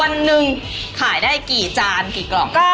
วันหนึ่งขายได้กี่จานกี่กล่อง